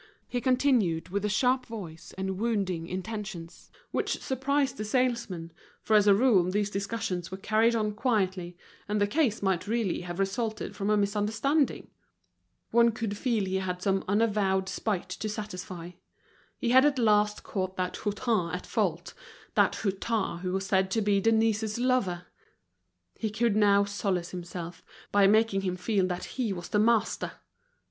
He continued, with a sharp voice, and wounding intentions, which surprised the salesmen, for as a rule these discussions were carried on quietly, and the case might really have resulted from a misunderstanding. One could feel he had some unavowed spite to satisfy. He had at last caught that Hutin at fault, that Hutin who was said to be Denise's lover! He could now solace himself, by making him feel that he was the master!